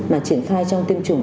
mà triển khai trong tiêm chủng